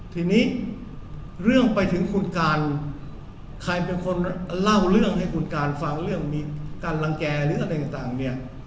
ทีนี้เรื่องไปถึงคุณการใครเป็นคนเล่าเรื่องให้คุณการฟังเรื่องมีการลังแก่หรืออะไรต่างเนี่ย